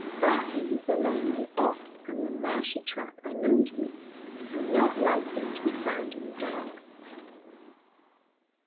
Barking was a long way off, and the marshy track unknown to me, and not likely to be found in the dark.